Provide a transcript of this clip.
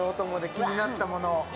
気になったものを。